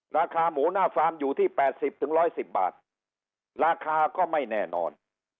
ราคาหมูหน้าฟาร์มอยู่ที่๘๐๑๑๐บาทราคาก็ไม่แน่นอน